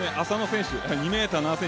麻野選手。